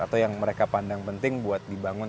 atau yang mereka pandang penting buat dibangun